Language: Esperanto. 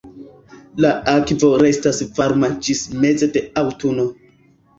La akvo restas varma ĝis mezo de aŭtuno.